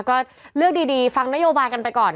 ก็เลือกดีฟังนโยบายกันไปก่อน